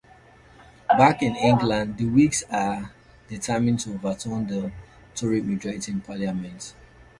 Back in England, the Whigs are determined to overturn the Tory majority in Parliament.